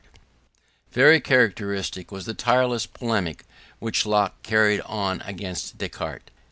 _ Very characteristic was the tireless polemic which Locke carried on against Descartes.